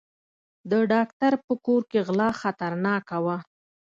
د ډاکټر په کور کې غلا خطرناکه وه.